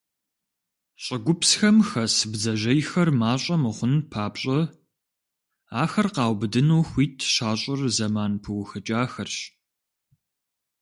ЩӀыгупсхэм хэс бдзэжьейхэр мащӀэ мыхъун папщӀэ, ахэр къаубыдыну хуит щащӀыр зэман пыухыкӀахэрщ.